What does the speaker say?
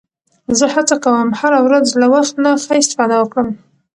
زه هڅه کوم هره ورځ له وخت نه ښه استفاده وکړم